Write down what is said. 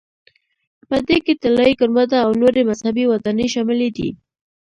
په دې کې طلایي ګنبده او نورې مذهبي ودانۍ شاملې دي.